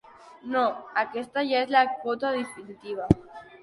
No, aquesta ja és la quota definitiva.